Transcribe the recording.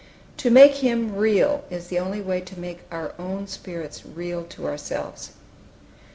To make Him real is the only way to make our own spirits real to ourselves.